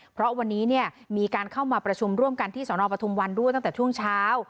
เพราะวันนี้เนี่ยมีการเข้ามาประชุมร่วมกันที่สนปทุมวันด้วยตั้งแต่ช่วงเช้า